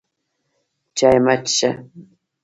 چای مه څښه!